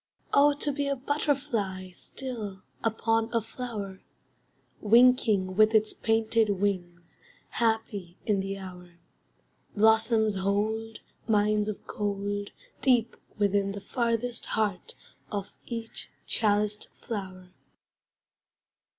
Oh! To be a butterfly Still, upon a flower, Winking with its painted wings, Happy in the hour. Blossoms hold Mines of gold Deep within the farthest heart of each chaliced flower.